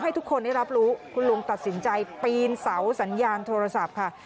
ให้ทุกคนได้รับรู้คุณลุงตัดสินใจปีนเสาสัญญาณโทรศัพท์ค่ะ